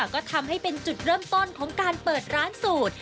ก็ทำให้เป็นจุดเริ่มต้นของการเปิดร้านสูตร